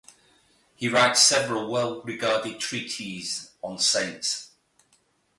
He writes several well-regarded treatises on saints.